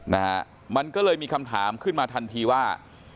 นะฮะมันก็เลยมีคำถามขึ้นมาทันทีว่า